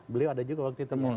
beliau ada juga waktu itu